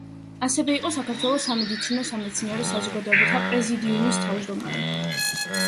ასევე იყო საქართველოს სამედიცინო–სამეცნიერო საზოგადოებათა პრეზიდიუმის თავმჯდომარე.